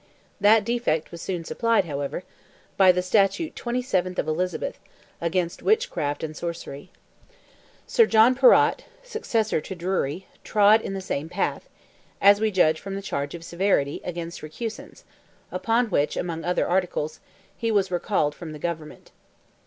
That defect was soon supplied, however, by the statute 27th of Elizabeth, "against witchcraft and sorcery." Sir John Perrott, successor to Drury, trod in the same path, as we judge from the charge of severity against recusants, upon which, among other articles, he was recalled from the government.